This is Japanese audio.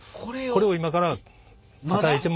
これを今からたたいてまだ。